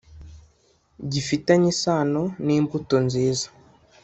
gifitanye isano n imbuto nziza